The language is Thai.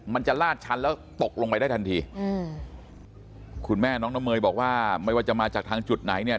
มันจะลาดชั้นแล้วตกลงไปได้ทันทีอืมคุณแม่น้องน้ำเมยบอกว่าไม่ว่าจะมาจากทางจุดไหนเนี่ย